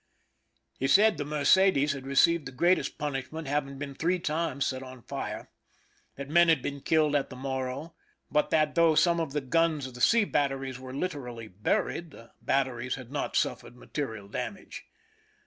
He said the Mercedes had received the greatest punishment, having been three times set on fire ; that men had been killed at the Morro, but that, though some of the guns of the sea batteries were literally buried, the bat teries had not suffered material damage.